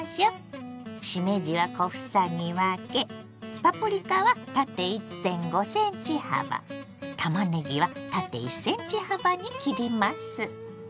しめじは小房に分けパプリカは縦１．５ｃｍ幅たまねぎは縦１ｃｍ幅に切ります。